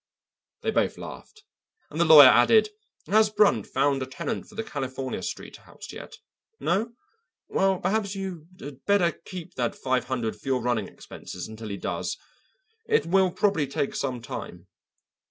They both laughed, and the lawyer added: "Has Brunt found a tenant for the California Street house yet? No? Well, perhaps you had better keep that five hundred for your running expenses until he does. It will probably take some time."